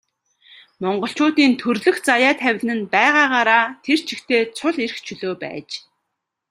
Монголчуудын төрөлх заяа тавилан нь байгаагаараа тэр чигтээ цул эрх чөлөө байж.